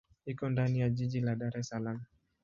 Iko ndani ya jiji la Dar es Salaam.